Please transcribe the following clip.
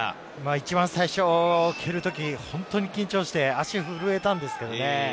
一番最初蹴る時、本当に緊張して足が震えたんです。